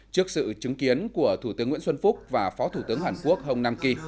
trước sự chứng kiến của thủ tướng nguyễn xuân phúc và phó thủ tướng hàn quốc hồng nam kỳ